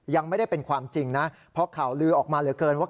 ยังไม่ได้เป็นความจริงนะเพราะข่าวลือออกมาเหลือเกินว่า